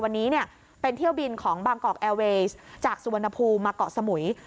วันนี้เป็นเที่ยวบินของบางกอกแอร์เวสจากสุวรรณภูมิมาเกาะสมุย